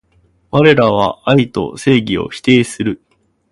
われらは愛と正義を否定する